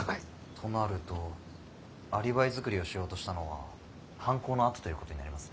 となるとアリバイ作りをしようとしたのは犯行のあとということになりますね。